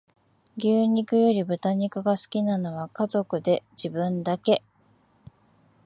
牛肉より豚肉が好きなのは家族で自分だけ